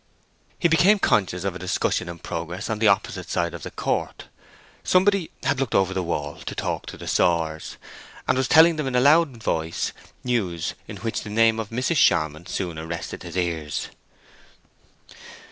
He became conscious of a discussion in progress on the opposite side of the court. Somebody had looked over the wall to talk to the sawyers, and was telling them in a loud voice news in which the name of Mrs. Charmond soon arrested his ears.